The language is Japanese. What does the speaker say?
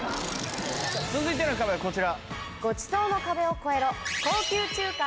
続いての壁はこちら。